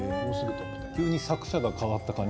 急に作者が変わった感じ。